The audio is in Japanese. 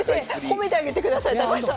褒めてあげてください高橋さん。